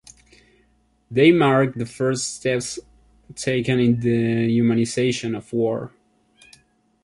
They mark the first steps taken in the humanization of war.